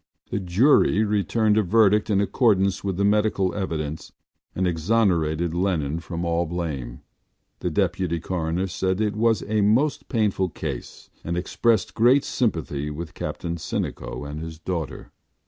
The jury returned a verdict in accordance with the medical evidence and exonerated Lennon from all blame. The Deputy Coroner said it was a most painful case, and expressed great sympathy with Captain Sinico and his daughter.